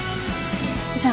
じゃあ。